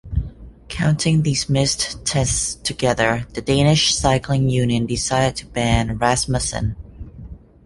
Counting these missed tests together, the Danish cycling union decided to ban Rasmussen.